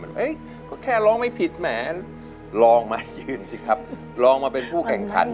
มันว่าเอ๊ะก็แค่ร้องไม่ผิดแหมร้องมายืนสิครับร้องมาเป็นผู้แข่งคัน